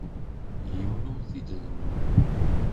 Yiwen ur t-id-rennuɣ.